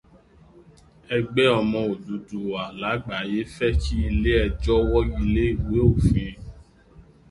Ẹgbẹ́ ọmọ Odùduwà lágbàyé fẹ́ kí ilé ẹjọ́ wọ́gilé ìwé òfin.